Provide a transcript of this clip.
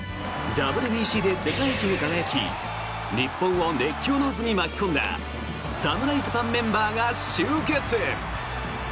ＷＢＣで世界一に輝き日本を熱狂の渦に巻き込んだ侍ジャパンメンバーが集結！